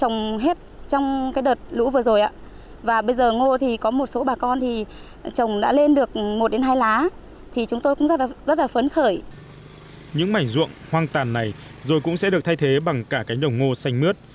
những mảnh ruộng hoang tàn này rồi cũng sẽ được thay thế bằng cả cánh đồng ngô xanh mướt